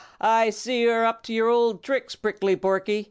I see you are up to your old tricks, Prickly Porky!"